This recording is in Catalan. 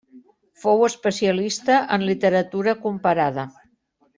Fou especialista en literatura comparada.